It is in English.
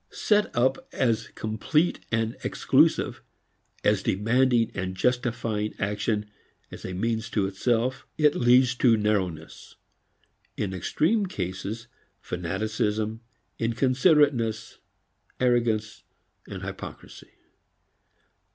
Set up as complete and exclusive, as demanding and justifying action as a means to itself, it leads to narrowness; in extreme cases fanaticism, inconsiderateness, arrogance and hypocrisy.